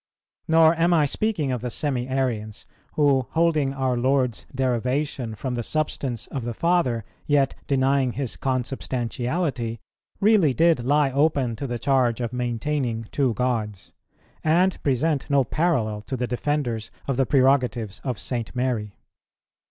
Nor am I speaking of the Semi Arians, who, holding our Lord's derivation from the Substance of the Father, yet denying His Consubstantiality, really did lie open to the charge of maintaining two Gods, and present no parallel to the defenders of the prerogatives of St. Mary.